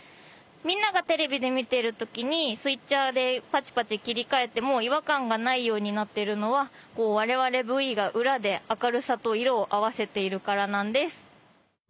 みんながテレビで見ている時にスイッチャーでパチパチ切り替えても違和感がないようになってるのは我々ＶＥが裏で明るさと色を合わせているからなんです。